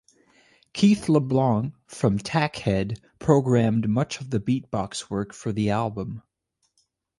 Keith LeBlanc from Tackhead programmed much of the beatbox work for the album.